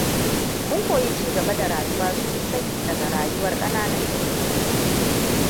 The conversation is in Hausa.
Mun koyi ci gaba da rayuwa sosai daga rayuwar kananan dabbobi.